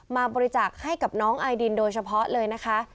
บริจาคให้กับน้องไอดินโดยเฉพาะเลยนะคะ